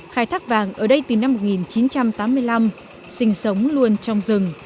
khai thác vàng ở đây từ năm một nghìn chín trăm tám mươi năm sinh sống luôn trong rừng